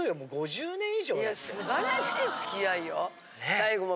最後も。